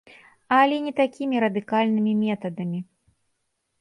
Але не такімі радыкальнымі метадамі.